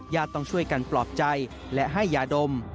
ต้องช่วยกันปลอบใจและให้ยาดม